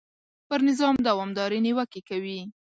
پر نظام دوامدارې نیوکې کوي.